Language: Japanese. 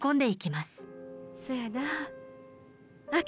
そやなあ。